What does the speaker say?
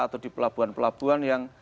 atau di pelabuhan pelabuhan yang